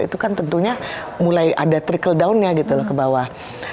itu kan tentunya mulai ada trickle down nya gitu ke bawah